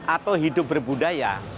atau hidup berbudaya